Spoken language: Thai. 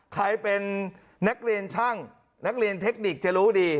ใครเป็นนักเรียนช่างนักเรียนเทคนิคจะรู้ดี